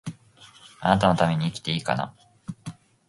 貴方のために生きていいかな